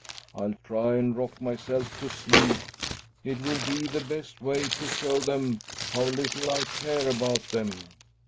I'll try and rock myself to sleep. It will be the best way to show them how little I care about them."